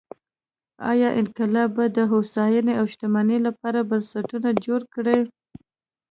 ایا انقلاب به د هوساینې او شتمنۍ لپاره بنسټونه جوړ کړي؟